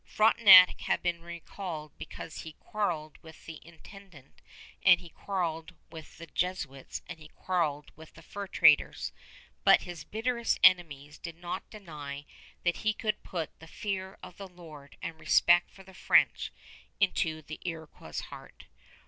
Frontenac had been recalled because he quarreled with the intendant and he quarreled with the Jesuits and he quarreled with the fur traders; but his bitterest enemies did not deny that he could put the fear of the Lord and respect for the French into the Iroquois' heart.